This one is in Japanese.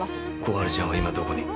心春ちゃんは今どこに？